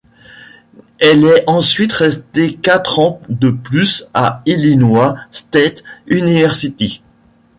Elle est ensuite restée quatre ans de plus à Illinois State University.